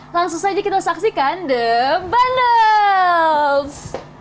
langsung saja kita saksikan the bondes